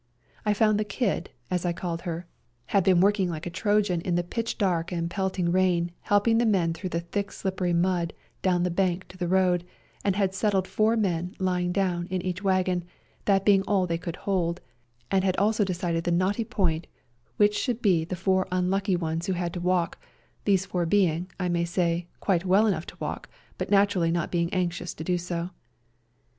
I found the Kid, as I called her, had been working like a A SERBIAN AMBULANCE 33 Trojan in the pitch dark and pelting rain helping the men through the thick slippery mud down the bank to the road, and had settled four men, lying down, in each wagon, that being all they could hold, and had also decided the knotty point which should be the four unlucky ones who had to walk— these four being, I may say, quite well enough to walk, but naturally not being anxious to do so.